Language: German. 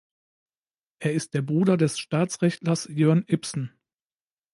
Er ist der Bruder des Staatsrechtlers Jörn Ipsen.